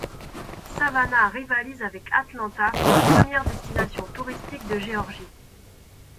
Savannah rivalise avec Atlanta comme première destination touristique de Géorgie.